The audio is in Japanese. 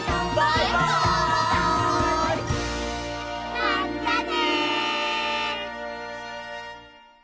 まったね！